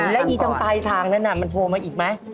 แล้วอีตรงปลายทางนั้นมันโทรมาอีกไหม